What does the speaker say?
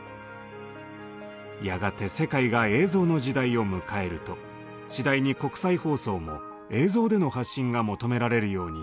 やがて世界が映像の時代を迎えると次第に国際放送も映像での発信が求められるようになります。